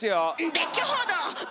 別居報道！